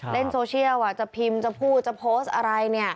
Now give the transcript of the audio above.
เล่นโซเชียลจะพิมพ์จะพูดจะโพสต์อะไรเนี่ย